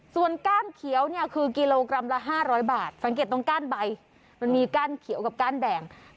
ส่วนก้านเขียวเนี่ยคือกิโลกรัมละ๕๐๐บาทสังเกตตรงก้านใบมันมีก้านเขียวกับก้านแดง